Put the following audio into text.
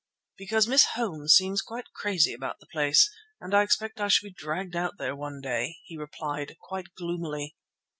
"Because Miss Holmes seems quite crazy about the place, and I expect I shall be dragged out there one day," he replied, quite gloomily.